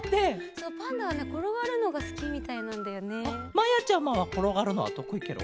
まやちゃまはころがるのはとくいケロ？